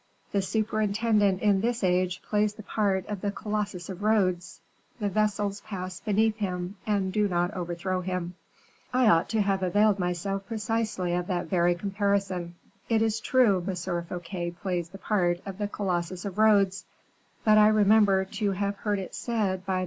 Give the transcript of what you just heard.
The superintendent in this age plays the part of the Colossus of Rhodes; the vessels pass beneath him and do not overthrow him." "I ought to have availed myself precisely of that very comparison. It is true, M. Fouquet plays the part of the Colossus of Rhodes; but I remember to have heard it said by M.